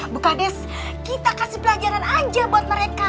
bu kades kita kasih pelajaran aja buat mereka